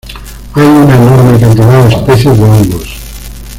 Hay una enorme cantidad de especies de hongos.